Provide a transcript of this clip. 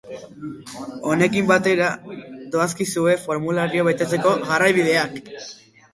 Honekin batera doazkizue formularioa betetzeko jarraibideak.